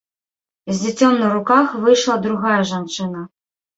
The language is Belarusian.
З дзіцем на руках выйшла другая жанчына.